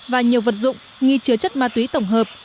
và nhiều vật dụng nghi chứa chất ma túy tổng hợp